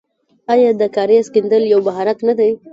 آیا د کاریز کیندل یو مهارت نه دی؟